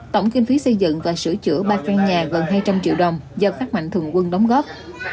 tổng kinh phí xây dựng và sửa chữa ba căn nhà gần hai trăm linh triệu đồng do các mạnh thường quân đóng góp